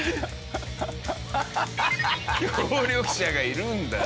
協力者がいるんだな。